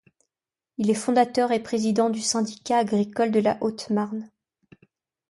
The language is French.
Il est fondateur et président du syndicat agricole de la Haute-Marne.